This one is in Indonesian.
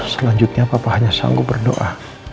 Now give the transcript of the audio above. selanjutnya papa hanya sanggup berdoa